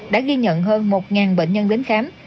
đã ghi nhận hơn một bệnh nhân đến khám